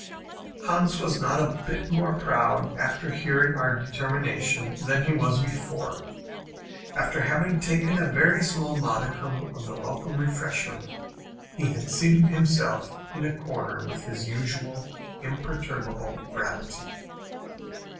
Hans was not a bit more proud after hearing our determination than he was before. After having taken a very small modicum of the welcome refreshment, he had seated himself in a corner with his usual imperturbable gravity.